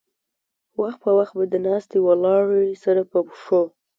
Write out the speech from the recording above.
وخت پۀ وخت به د ناستې ولاړې سره پۀ پښو